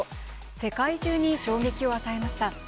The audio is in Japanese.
世界中に衝撃を与えました。